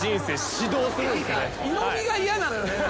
色味が嫌なのよね。